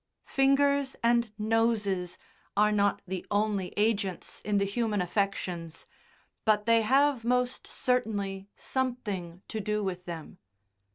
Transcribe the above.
Fingers and noses are not the only agents in the human affections, but they have most certainly something to do with them.